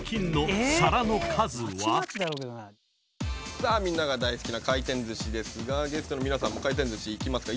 さあみんなが大好きな回転ずしですがゲストの皆さんも回転ずし行きますか？